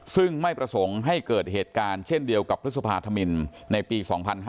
ซึ่งไม่ประสงค์ให้เกิดเหตุการณ์เช่นเดียวกับพฤษภาธมินในปี๒๕๕๙